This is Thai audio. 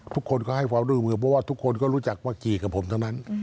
ทุกคนก็ให้ความร่วมมือเพราะว่าทุกคนก็รู้จักว่าขี่กับผมทั้งนั้น